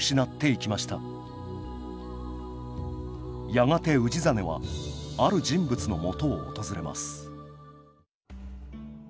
やがて氏真はある人物のもとを訪れます